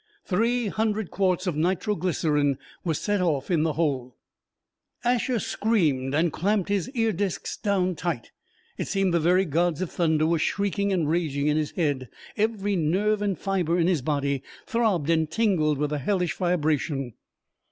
Three hundred quarts of nitro glycerine were set off in the hole. Asher screamed and clamped his ear discs down tight. It seemed the very gods of thunder were shrieking and raging in his head; every nerve and fiber in his body throbbed and tingled with the hellish vibration.